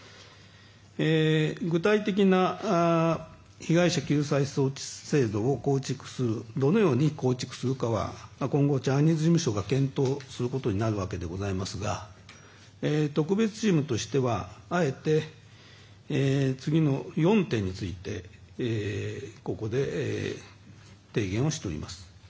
具体的な被害者救済措置制度をどのように構築するかは今後、ジャニーズ事務所が検討するわけになりますが特別チームとしてはあえて次の４点についてここで提言をしております。